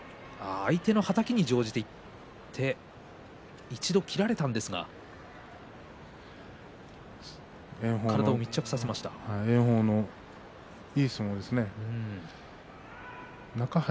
相手のはたきに乗じていって一度切られたんですが炎鵬もいい相撲ですね。